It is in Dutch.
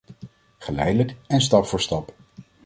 Geleidelijk en stap voor stap.